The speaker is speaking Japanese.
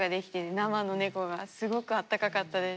生の「猫」がすごくあったかかったです。